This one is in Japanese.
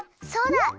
そうだ！